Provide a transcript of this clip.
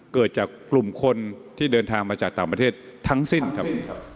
เกิดจากกลุ่มคนที่เดินทางมาจากต่างประเทศทั้งสิ้นครับ